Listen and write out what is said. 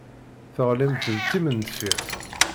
Teɣlimt d timendeffirt.